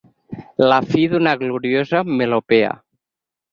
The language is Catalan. La fi d'una gloriosa melopea.